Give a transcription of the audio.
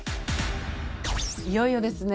いよいよですね。